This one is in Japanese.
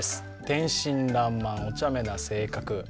天真らんまん、お茶目な性格。